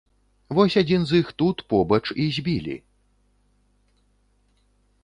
Вось адзін з іх тут, побач, і збілі.